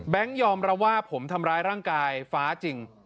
ยอมรับว่าผมทำร้ายร่างกายฟ้าจริง